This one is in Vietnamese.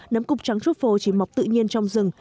nấm cục trắng trút phổ chỉ mọc tự nhiên trong rừng